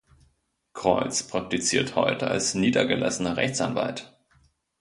Creutz praktiziert heute als niedergelassener Rechtsanwalt.